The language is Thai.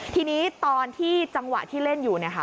ทีนี้ตอนที่จังหวะที่เล่นอยู่